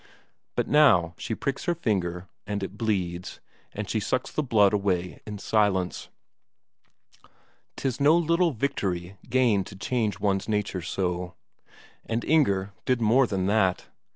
But now she pricks her finger, and it bleeds, and she sucks the blood away in silence. 'Tis no little victory gained to change one's nature so. And Inger did more than that.